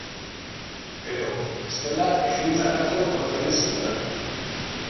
Edo, bestela, ekintza hartan porrot egin zutelako.